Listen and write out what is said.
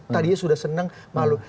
tadinya sudah senang malu